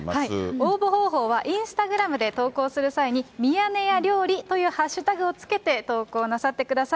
応募方法は、インスタグラムで投稿する際に、ミヤネ屋料理というハッシュタグをつけて投稿なさってください。